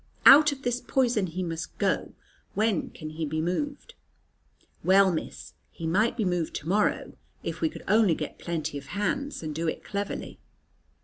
"Out of this poison he must go. When can he be moved?" "Well, Miss, he might be moved to morrow, if we could only get plenty of hands, and do it cleverly."